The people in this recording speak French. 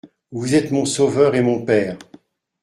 Vous êtes mon sauveur et mon père.